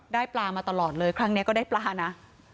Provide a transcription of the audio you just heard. ปลามาตลอดเลยครั้งนี้ก็ได้ปลานะ